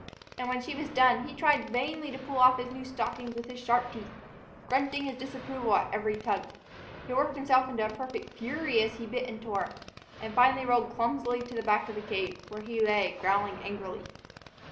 And when she was done, he tried vainly to pull off his new stockings with his sharp teeth, grunting his disapproval at every tug. He worked himself into a perfect fury as he bit and tore, and finally rolled clumsily to the back of the cave, where he lay growling angrily.